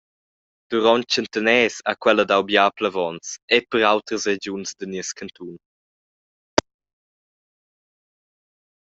Duront tschentaners ha quella dau bia plevons era per autras regiuns da nies cantun.